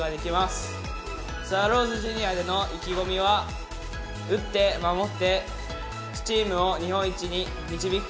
スワローズジュニアでの意気込みは打って守ってチームを日本一に導くことです。